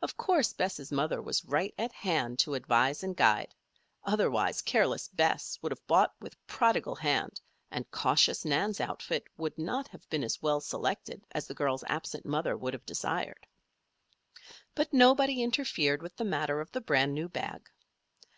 Of course, Bess' mother was right at hand to advise and guide; otherwise careless Bess would have bought with prodigal hand, and cautious Nan's outfit would not have been as well selected as the girl's absent mother would have desired. But nobody interfered with the matter of the brand new bag.